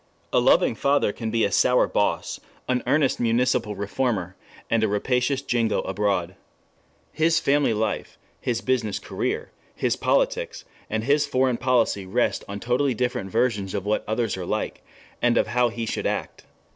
A loving father can be a sour boss, an earnest municipal reformer, and a rapacious jingo abroad. His family life, his business career, his politics, and his foreign policy rest on totally different versions of what others are like and of how he should act.